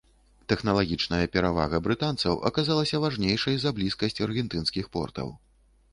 Тэхналагічная перавага брытанцаў аказалася важнейшай за блізкасць аргентынскіх портаў.